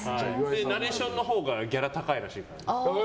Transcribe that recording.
ナレーションのほうがギャラ高いらしいからね。